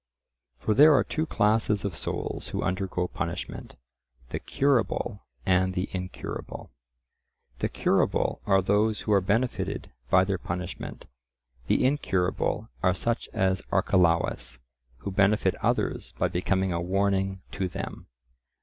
For there are two classes of souls who undergo punishment—the curable and the incurable. The curable are those who are benefited by their punishment; the incurable are such as Archelaus, who benefit others by becoming a warning to them.